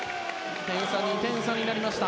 ２点差になりました。